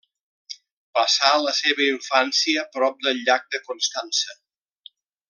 Passà la seva infància prop del llac de Constança.